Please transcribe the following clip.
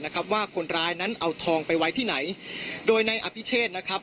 ว่าคนร้ายนั้นเอาทองไปไว้ที่ไหนโดยในอภิเชษนะครับ